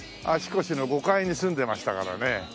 ５階に住んでましたからね。